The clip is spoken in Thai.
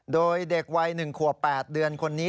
โดยเด็กวัย๑ขวบ๘เดือนคนนี้